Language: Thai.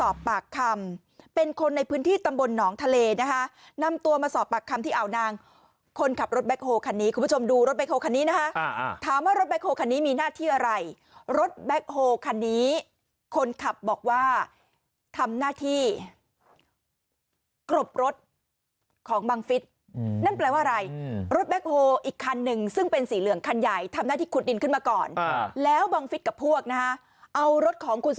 บอกปากคำที่เอานางคนขับรถแบ็คโฮลคันนี้คุณผู้ชมดูรถแบ็คโฮลคันนี้นะฮะถามว่ารถแบ็คโฮลคันนี้มีหน้าที่อะไรรถแบ็คโฮลคันนี้คนขับบอกว่าทำหน้าที่กรบรถของบังฤษนั่นแปลว่าอะไรรถแบ็คโฮลอีกคันหนึ่งซึ่งเป็นสีเหลืองคันใหญ่ทำหน้าที่คุณดินขึ้นมาก่อนแล้วบังฤษกับพวกนะฮะเอารถของคุณ